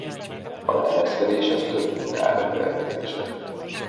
A leereszkedéshez több út áll rendelkezésre.